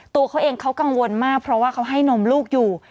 ตัวเขาเองเขากังวลมากเพราะว่าเขาให้นมลูกอยู่